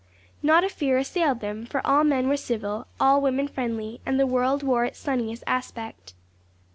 Not a fear assailed them; for all men were civil, all women friendly, and the world wore its sunniest aspect.